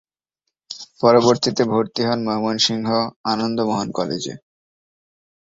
পরবর্তীতে ভর্তি হন ময়মনসিংহ আনন্দমোহন কলেজে।